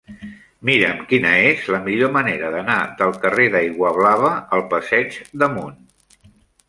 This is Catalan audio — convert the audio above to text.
Mira'm quina és la millor manera d'anar del carrer d'Aiguablava al passeig d'Amunt.